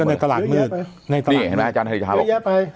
ในตรักเมือง